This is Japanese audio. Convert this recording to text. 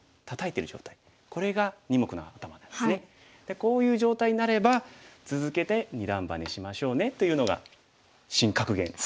こういう状態になれば続けて二段バネしましょうねというのが新格言です。